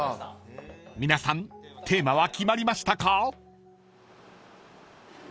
［皆さんテーマは決まりましたか？］